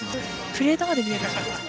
プレートまで見えるし。